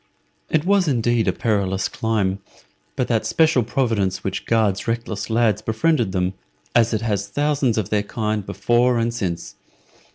It was indeed a perilous climb, but that special providence which guards reckless lads befriended them, as it has thousands of their kind before and since.